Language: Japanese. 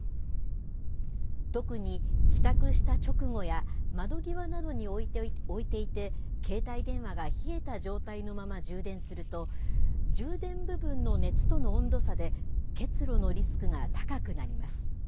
特に帰宅した直後や、窓際などに置いていて、携帯電話が冷えた状態のまま充電すると、充電部分の熱との温度差で結露のリスクが高くなります。